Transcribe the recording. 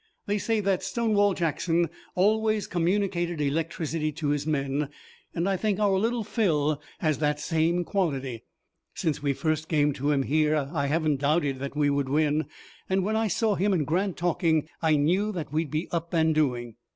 They say that Stonewall Jackson always communicated electricity to his men, and I think our Little Phil has the same quality. Since we first came to him here I haven't doubted that we would win, and when I saw him and Grant talking I knew that we'd be up and doing."